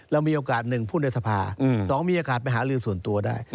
เรามีโอกาสหนึ่งพูดในสภา๒มีโอกาสไปหาลือส่วนตัวได้